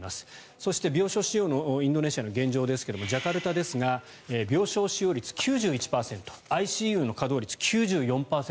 そして、病床使用のインドネシアの現状ですがジャカルタですが病床使用率９１％ＩＣＵの稼働率９４％